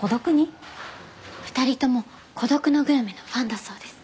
２人とも『孤独のグルメ』のファンだそうです。